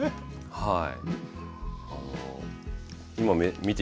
はい。